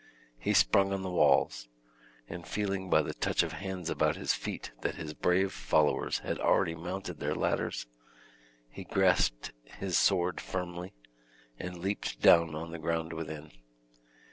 He sprung on the walls, and feeling by the touch of hands about his feet that his brave followers had already mounted their ladders, he grasped his sword firmly, and leaped down on the ground within.